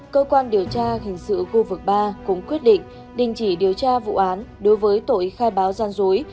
cơ quan điều tra hình sự khu vực ba cũng quyết định đình chỉ điều tra vụ án đối với tội khai báo gian dối